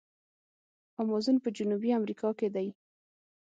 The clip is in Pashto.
امازون په جنوبي امریکا کې دی.